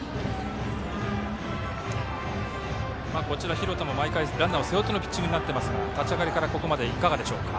廣田も毎回ランナーを背負ってのピッチングですが立ち上がりからここまでいかがでしょうか。